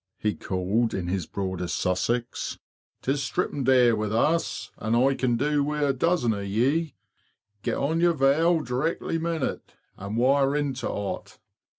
'' he called, in his broadest Sussex. ''Tis stripping day wi' us, an' I can do wi' a dozen o' ye! Get on your veil, d'rectly minute, an' wire in t'ot!"